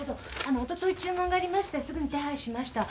おととい注文がありましてすぐに手配しました。